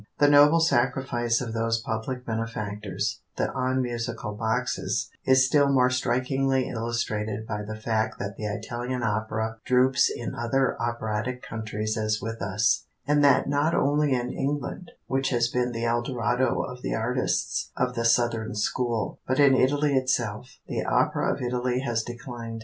The noble sacrifice of those public benefactors, the unmusical boxes, is still more strikingly illustrated by the fact that the Italian opera droops in other operatic countries as with us, and that not only in England, which has been the El Dorado of the artists of the Southern school, but in Italy itself, the opera of Italy has declined.